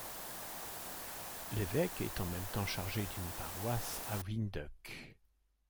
L’évêque est en même temps chargé d’une paroisse à Windhoek.